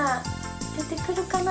でてくるかな？